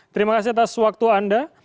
terima kasih atas waktu anda